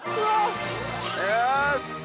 よし！